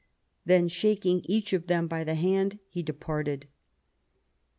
Then shaking each of them by the hand he departed.